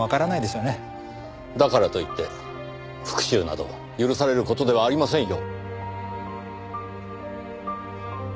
だからと言って復讐など許される事ではありませんよ。